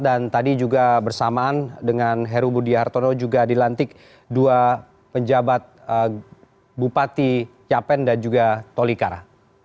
dan tadi juga bersamaan dengan heru budi hartono juga dilantik dua pejabat bupati capen dan juga tolikara